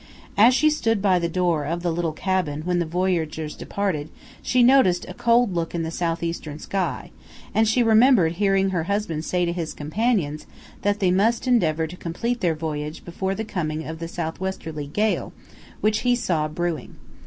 As she stood by the door of the little cabin when the voyagers departed she noticed a cold look in the southeastern sky, and she remembered hearing her husband say to his companions that they must endeavor to complete their voyage before the coming of the southwesterly gale which he saw brewing.